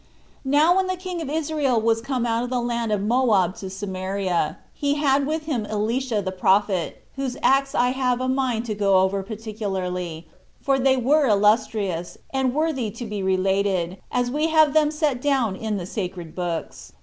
Now when the king of Israel was come out of the land of Moab to Samaria, he had with him Elisha the prophet, whose acts I have a mind to go over particularly, for they were illustrious, and worthy to be related, as we have them set down in the sacred books.